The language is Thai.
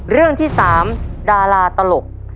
เรื่องที่๓ดาราตลก